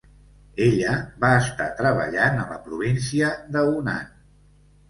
Ella va estar treballant a la província de Hunan.